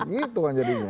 gitu kan jadinya